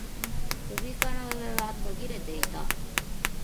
首から上は途切れていた